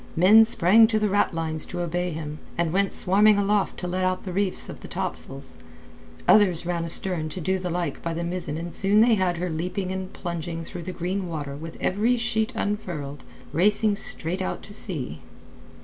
Men sprang to the ratlines to obey him, and went swarming aloft to let out the reefs of the topsails; others ran astern to do the like by the mizzen and soon they had her leaping and plunging through the green water with every sheet unfurled, racing straight out to sea.